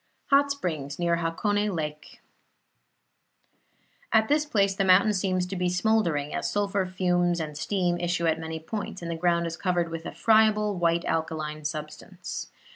HOT SPRINGS NEAR HAKONE LAKE At this place the mountain seems to be smouldering, as sulphur fumes and steam issue at many points, and the ground is covered with a friable white alkaline substance.